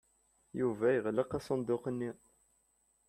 Yuba yeɣleq asenduq-nni.